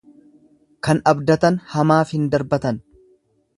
Kan abdatan hamaaf hin darbatan.